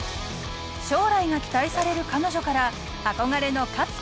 将来が期待される彼女から憧れの勝